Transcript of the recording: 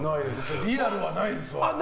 リアルはないですわ。